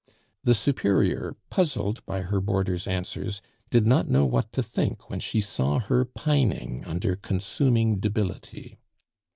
The Superior, puzzled by her boarder's answers, did not know what to think when she saw her pining under consuming debility.